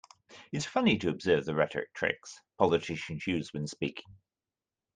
It's funny to observe the rhetoric tricks politicians use when speaking.